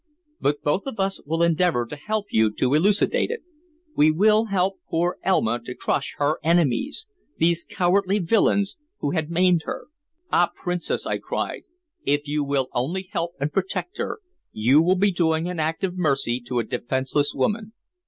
But both of us will endeavor to help you to elucidate it; we will help poor Elma to crush her enemies these cowardly villains who had maimed her." "Ah, Princess!" I cried. "If you will only help and protect her, you will be doing an act of mercy to a defenseless woman.